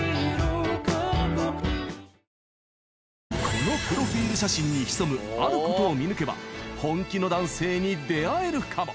［このプロフィール写真に潜むあることを見抜けば本気の男性に出会えるかも］